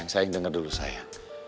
sayang denger dulu sayang